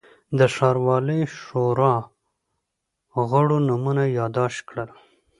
د ښاروالۍ شورا غړو نومونه یاداشت کړل.